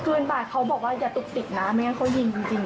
คืนบาทเขาบอกว่าอย่าตุกติกนะไม่งั้นเขายิงจริง